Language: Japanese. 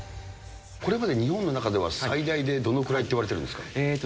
これまで日本の中では最大でどのぐらいっていわれてるんですか？